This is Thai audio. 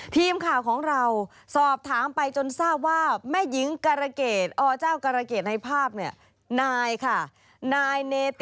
ทีมข่าวของเราสอบถามไปจนทราบว่า